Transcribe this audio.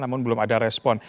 namun belum ada respon